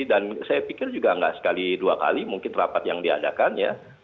dan saya pikir juga nggak sekali dua kali mungkin rapat yang diadakan ya